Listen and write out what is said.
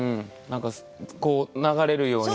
こう流れるように。